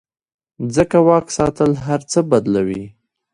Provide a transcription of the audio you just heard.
ځکه واک ساتل هر څه بدلوي.